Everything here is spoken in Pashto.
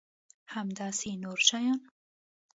همداسې نور شیان.